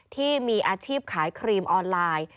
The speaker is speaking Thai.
ที่มีอาชีพขายครีมออนไลน์